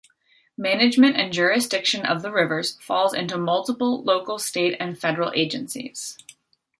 Management and jurisdiction of the rivers falls into multiple local, State and Federal agencies.